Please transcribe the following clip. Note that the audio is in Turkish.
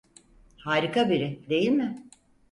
Harika biri, değil mi?